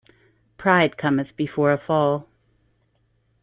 Pride cometh before a fall.